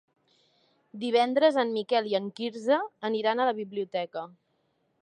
Divendres en Miquel i en Quirze aniran a la biblioteca.